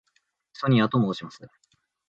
ソニアと申します。